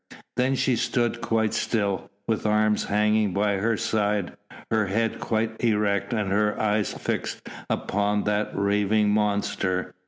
Then she stood quite still, with arms hanging by her side, her head quite erect and her eyes fixed upon that raving monster.